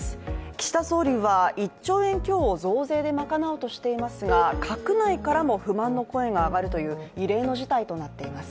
岸田総理は１兆円強を増税で賄うとしていますが閣内からも不満の声が上がるという異例の事態となっています。